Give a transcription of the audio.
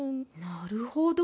なるほど。